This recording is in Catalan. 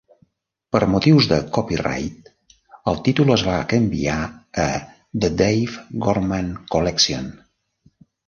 Per motius de copyright, el títol es va canviar a The Dave Gorman Collection.